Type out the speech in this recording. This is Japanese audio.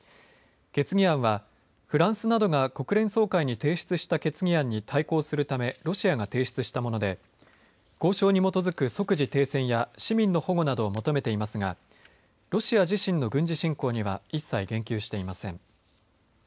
決議案はフランスなどが国連総会に提出した決議案に対抗するためロシアが提出したもので交渉に基づく即時停戦や市民の保護などを求めていますがロシア自身の軍事侵攻には一切言及していません。